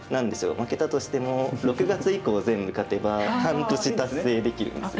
負けたとしても６月以降全部勝てば半年達成できるんですよ。